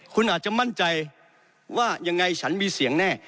คุณอาจจะมั่นใจว่ายังไงฉันมีเสียงแน่